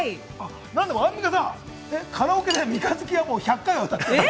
アンミカさん、カラオケで『三日月』は１００回も歌ってる？